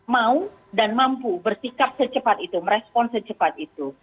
mau dan mampu bersikap secepat itu merespon secepat itu